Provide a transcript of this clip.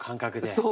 そう。